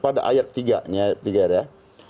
pada ayat tiga ini ayat tiga r ya